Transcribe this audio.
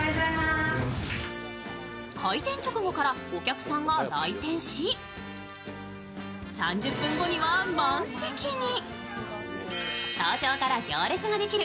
開店直後からお客さんが来店し３０分後には満席に。